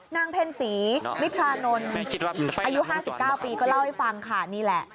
เพ็ญศรีมิทรานนท์อายุ๕๙ปีก็เล่าให้ฟังค่ะนี่แหละ